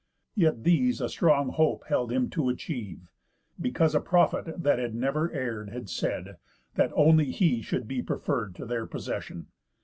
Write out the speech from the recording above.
Yet these a strong hope held him to achieve, Because a prophet, that had never err'd, Had said, that only he should be preferr'd To their possession.